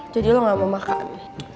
jadi lo gak mau makan